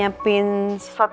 anak ke depan saya